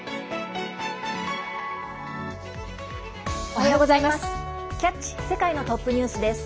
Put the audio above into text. おはようございます。